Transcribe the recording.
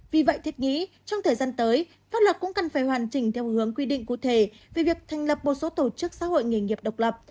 vì vậy thiết nghĩ trong thời gian tới pháp luật cũng cần phải hoàn chỉnh theo hướng quy định cụ thể về việc thành lập một số tổ chức xã hội nghề nghiệp độc lập